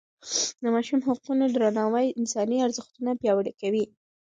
د ماشوم حقونو درناوی انساني ارزښتونه پیاوړي کوي.